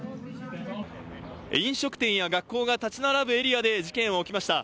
飲食店や学校が立ち並ぶエリアで事件は起きました。